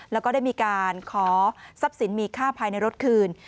แล้วก็ได้มีการขอทรัพย์สินมีค่าภายในรถคืน